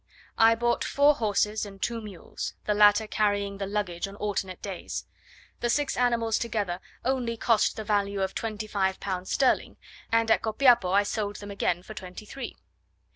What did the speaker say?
I bought four horses and two mules, the latter carrying the luggage on alternate days. The six animals together only cost the value of twenty five pounds sterling, and at Copiapo I sold them again for twenty three.